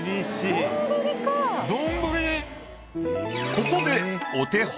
ここでお手本。